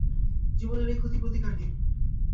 জীবনের এই ক্ষতি প্রতিকারহীন।